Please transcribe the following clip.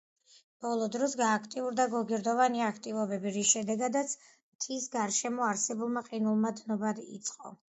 ბოლო დროს გააქტიურდა გოგირდოვანი აქტივობები, რის შედეგადაც მთის გარშემო არსებულმა ყინულმა დნობა იწყო.